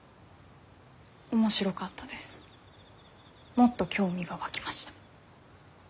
もっと興味が湧きました。